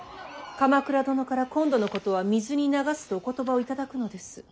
鎌倉殿から今度のことは水に流すとお言葉を頂くのです。